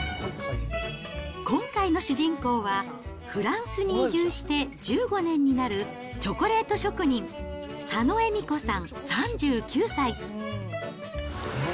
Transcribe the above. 今回の主人公は、フランスに移住して１５年になるチョコレート職人、佐野恵美子さん３９歳。